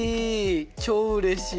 超うれしい。